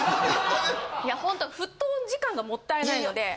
いやほんと沸騰時間がもったいないので。